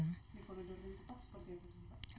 ini koridor yang tepat seperti apa